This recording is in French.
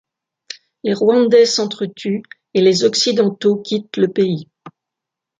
Les Rwandais s'entretuent et les Occidentaux quittent le pays.